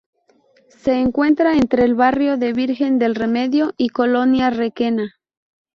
Se encuentra entre el barrio de Virgen del Remedio y Colonia Requena.